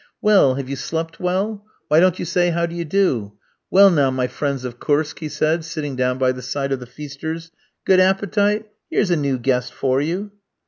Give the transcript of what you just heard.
"Well, have you slept well? Why don't you say how do you do? Well, now my friends of Kursk," he said, sitting down by the side of the feasters, "good appetite? Here's a new guest for you."